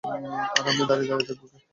আর আমি দাঁড়িয়ে দাঁড়িয়ে দেখবো।